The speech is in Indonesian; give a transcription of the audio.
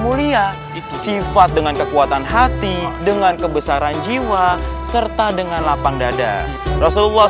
mulia sifat dengan kekuatan hati dengan kebesaran jiwa serta dengan lapang dada rasulullah